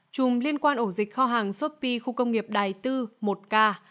chùm liên quan ổ dịch kho hàng sopi khu công nghiệp đài tư một ca